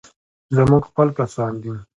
زموږ خپل کسان دي.